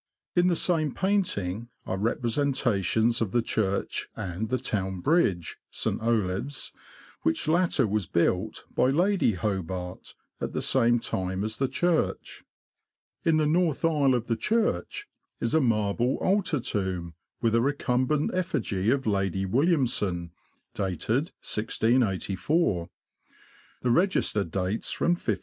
In the same painting are representations of the church and the town bridge (St. Olave's), which latter was built, by Lady Hobart, at the same time as the church. In the north aisle of the church is a LOWESTOFT TO NORWICH. 53 marble altar tomb, with a recumbent effigy of Lady Williamson, dated 1684. The register dates from 1556.